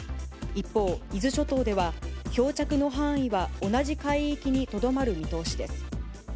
一方、伊豆諸島では、漂着の範囲は同じ海域にとどまる見通しです。